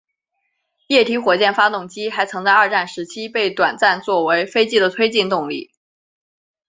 液体火箭发动机还曾在二战时期被短暂作为飞机的推进动力。